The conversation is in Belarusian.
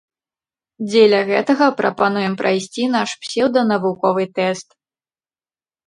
Дзеля гэтага прапануем прайсці наш псеўданавуковы тэст.